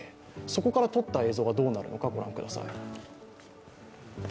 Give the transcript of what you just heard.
そこから撮った映像がどうなるのか御覧ください。